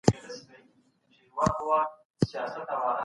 ملي عاید باید په مساوي ډول وویشل سي.